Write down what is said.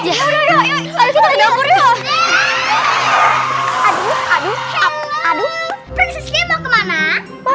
aduh aduh aduh